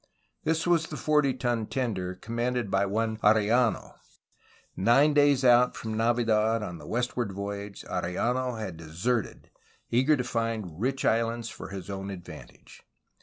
This was the forty ton tender, commanded by one Arellano. Nine days out from Navidad on the westward voyage, Arellano had deserted, eager to find '^rich islands'' for his own advantage.